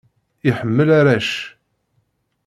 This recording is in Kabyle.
Iḥemmel arrac.